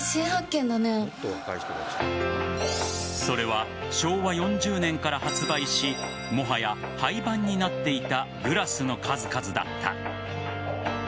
それは昭和４０年から発売しもはや廃番になっていたグラスの数々だった。